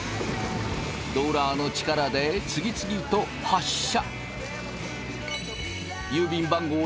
ローラーの力で次々と発射。